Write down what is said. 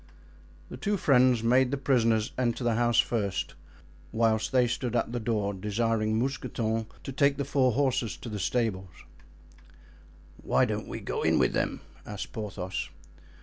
The two friends made the prisoners enter the house first, whilst they stood at the door, desiring Mousqueton to take the four horses to the stable. "Why don't we go in with them?" asked Porthos.